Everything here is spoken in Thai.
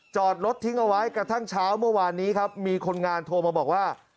จอดรถทิ้งเอาไว้กระทั่งเช้าเมื่อวานนี้ครับมีคนงานโทรมาบอกว่า